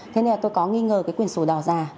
thế nên tôi có nghi ngờ quyển sổ đỏ già